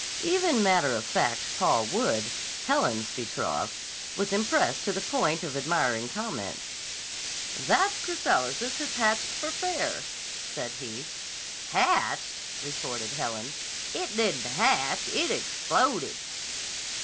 Even matter of fact Paul Wood, Helen's betrothed, was impressed to the point of admiring comment. "That chrysalis has hatched for fair," said he. "Hatched!" retorted Helen. "It didn't hatch. It exploded!"